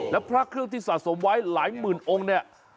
และพระเครื่องที่สะสมไว้หลายหมื่นองค์เนี่ย